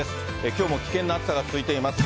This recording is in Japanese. きょうも危険な暑さが続いています。